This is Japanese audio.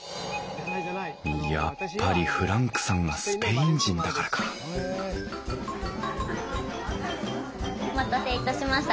やっぱりフランクさんがスペイン人だからかお待たせいたしました。